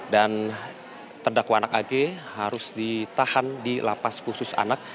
dan terdakwa anak ag harus ditahan di lapas khusus anak